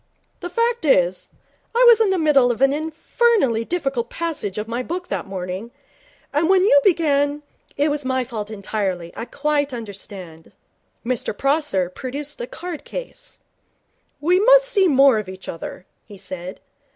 'The fact is, I was in the middle of an infernally difficult passage of my book that morning, and when you began ' 'It was my fault entirely. I quite understand.' Mr Prosser produced a card case. 'We must see more of each other,' he said.